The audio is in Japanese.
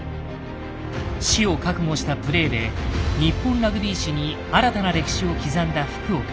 死を覚悟したプレイで日本ラグビー史に新たな歴史を刻んだ福岡。